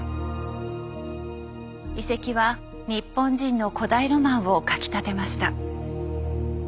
遺跡は日本人の古代ロマンをかきたてました。